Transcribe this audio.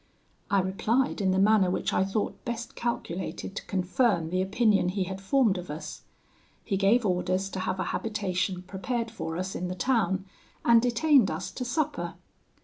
I replied in the manner which I thought best calculated to confirm the opinion he had formed of us. He gave orders to have a habitation prepared for us in the town, and detained us to supper.